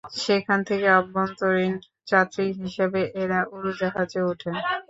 সেখান থেকে অভ্যন্তরীণ যাত্রী হিসেবে এরা উড়োজাহাজে ওঠেন।